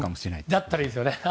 だったらいいですね。